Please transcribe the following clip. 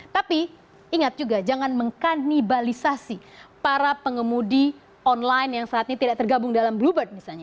tapi ingat juga jangan mengkanibalisasi para pengemudi online yang saat ini tidak tergabung dalam bluebird misalnya